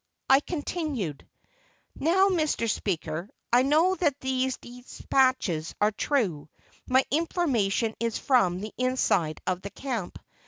I continued: Now, Mr. Speaker, I know that these despatches are true; my information is from the inside of the camp.